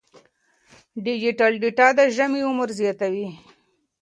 ډیجیټل ډیټا د ژبې عمر زیاتوي.